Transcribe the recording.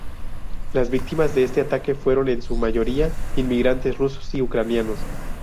Las víctimas de este ataque fueron en su mayoría inmigrantes rusos y ucranianos.